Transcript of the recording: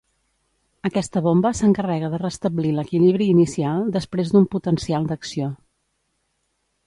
Aquesta bomba s'encarrega de restablir l'equilibri inicial després d'un potencial d'acció.